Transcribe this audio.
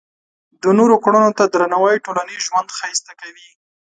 د نورو کړنو ته درناوی ټولنیز ژوند ښایسته کوي.